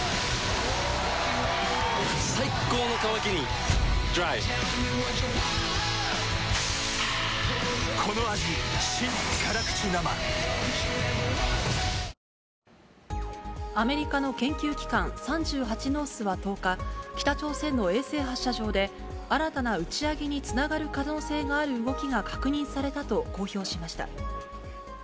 最高の渇きにＤＲＹアメリカの研究機関、３８ノースは１０日、北朝鮮の衛星発射場で、新たな打ち上げにつながる可能性がある動きが確認されたと公表しました。